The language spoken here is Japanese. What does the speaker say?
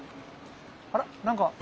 あら？何か？